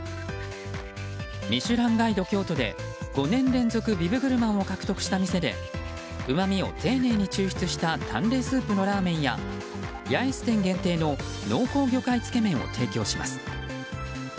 「ミシュランガイド京都」で５年連続ビブグルマンを獲得した店で、うまみを丁寧に抽出した淡麗スープのラーメンや八重洲店限定の濃厚魚介つけ麺を提供します。